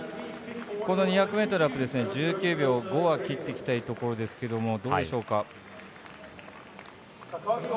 この２００ｍは１９秒５は切っていきたいところですけど。